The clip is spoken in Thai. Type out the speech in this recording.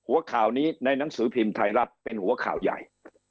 หัวข่าวนี้ในหนังสือพิมพ์ไทยรัฐเป็นหัวข่าวใหญ่